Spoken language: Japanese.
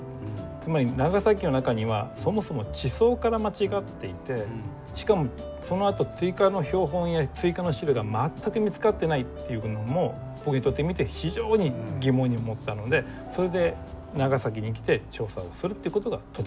つまり長崎の中にはそもそも地層から間違っていてしかもそのあと追加の標本や追加の資料が全く見つかってないっていうのも僕にとってみて非常に疑問に思ったのでそれで長崎に来て調査をするってことがとても僕は興味あったんです。